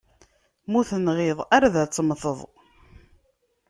Ma ur tenɣiḍ, ard ad temmteḍ.